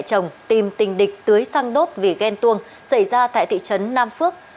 chồng tìm tình địch tưới sang đốt vì ghen tuông xảy ra tại thị trấn nam phước